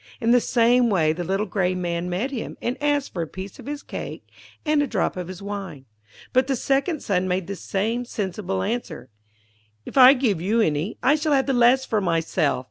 In the same way the little grey Man met him, and asked for a piece of his cake and a drop of his wine. But the second son made the same sensible answer, 'If I give you any, I shall have the less for myself.